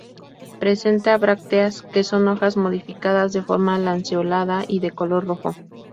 Presenta brácteas, que son hojas modificadas, de forma lanceolada y de color rojo.